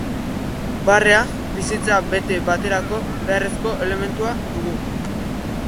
Barrea, bizitza bete baterako beharrezko elementua dugu.